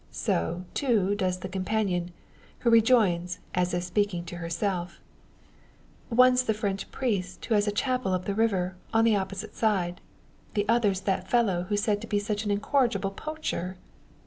So, too, does the companion; who rejoins, as if speaking to herself "One's the French priest who has a chapel up the river, on the opposite side; the other's that fellow who's said to be such an incorrigible poacher."